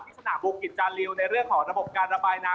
สนามวงกิจจาริวในเรื่องของระบบการระบายน้ำ